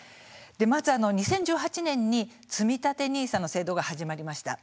まず、２０１８年につみたてＮＩＳＡの制度が始まりました。